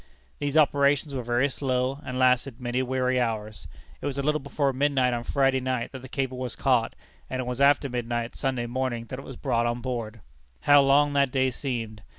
These operations were very slow, and lasted many weary hours. It was a little before midnight on Friday night that the cable was caught, and it was after midnight Sunday morning that it was brought on board. How long that day seemed!